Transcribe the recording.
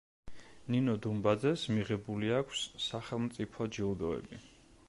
ნინო დუმბაძეს მიღებული აქვს სახელმწიფო ჯილდოები.